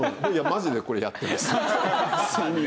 マジでこれやってます。